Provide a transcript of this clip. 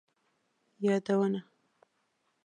یادونه